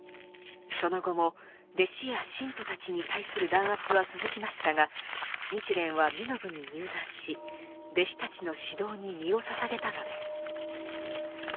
その後も弟子や信徒たちに対する弾圧は続きましたが日蓮は身延に入山し弟子たちの指導に身を捧げたのです。